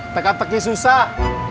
teka teki susah